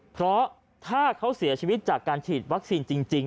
เพราะถ้าเขาเสียชีวิตจากการฉีดวัคซีนจริง